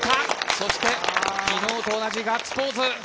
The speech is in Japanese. そして、昨日と同じガッツポーズ。